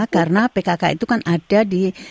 karena pkk itu kan ada di